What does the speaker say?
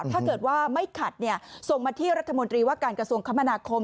ถ้าเกิดว่าไม่ขัดส่งมาที่รัฐมนตรีว่าการกระทรวงคมนาคม